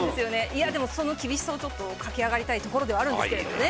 いやでもその厳しさをちょっと駆け上がりたいところではあるんですけれどもね。